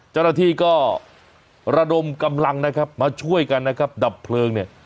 เจ้าหน้าที่ก็ระดมกำลังนะครับมาช่วยกันนะครับดับเพลิงเนี่ย